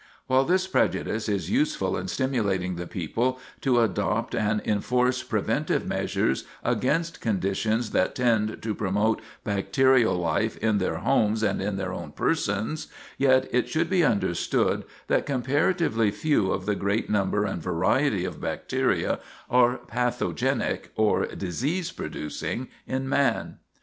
While this prejudice is useful in stimulating the people to adopt and enforce preventive measures against conditions that tend to promote bacterial life in their homes and in their own persons, yet it should be understood that comparatively few of the great number and variety of bacteria are pathogenic, or disease producing, in man.